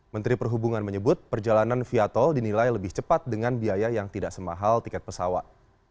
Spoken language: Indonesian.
menteri perhubungan menyebut perjalanan via tol dinilai lebih cepat dengan biaya yang tidak semahal tiket pesawat